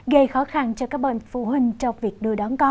gây khó khăn cho các phụ huynh trong việc đưa đón con